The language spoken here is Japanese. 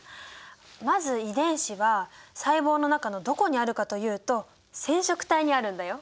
まず遺伝子は細胞の中のどこにあるかというと染色体にあるんだよ。